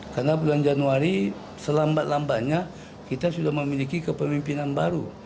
karena bulan januari selambat lambatnya kita sudah memiliki kepemimpinan baru